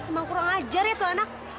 emang kurang ajar ya tuh anak